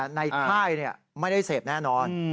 ในค่ายไม่ได้เสพแน่นอน